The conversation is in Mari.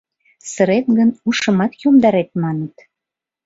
Сырет гын, ушымат йомдарет, маныт.